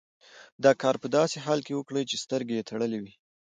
دا کار په داسې حال کې وکړئ چې سترګې یې تړلې وي.